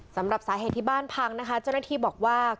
สำหรับสาเหตุที่บ้านพังนะคะเจ้าหน้าที่บอกว่า